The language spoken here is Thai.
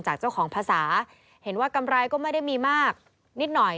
จากเจ้าของภาษาเห็นว่ากำไรก็ไม่ได้มีมากนิดหน่อย